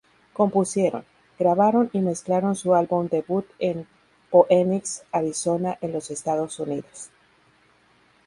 Compusieron, grabaron y mezclaron su álbum debut en Phoenix, Arizona en los Estados Unidos.